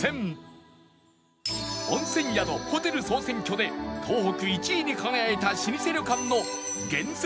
温泉宿・ホテル総選挙で東北１位に輝いた老舗旅館の源泉